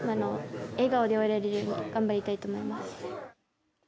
笑顔で終えれるよう頑張りたいと思います。